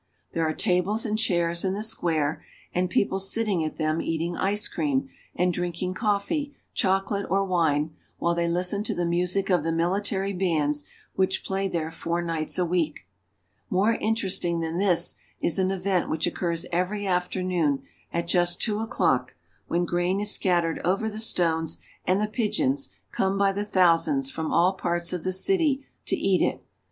There are tables and chairs in the square, and people sitting at them eating ice cream and drinking coffee, chocolate, or wine, while they listen to the music of the military bands which play there four nights a week. More interesting than this is an event which occurs every afternoon at just two o'clock, when grain is scattered VENICE. 399 over the stones, and the pigeons come by the thousands from all parts of the city to eat it.